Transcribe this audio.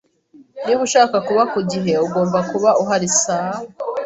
Niba ushaka kuba ku gihe, ugomba kuba uhari saa .